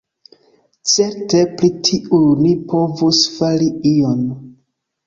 Certe pri tiuj ni povus fari ion.